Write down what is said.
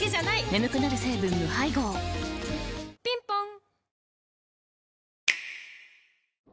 眠くなる成分無配合ぴんぽん